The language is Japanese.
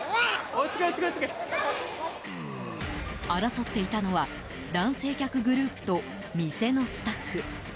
争っていたのは男性客グループと店のスタッフ。